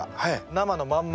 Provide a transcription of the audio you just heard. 生のまんま。